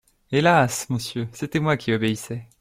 Hélas ! monsieur, c'était moi qui obéissais.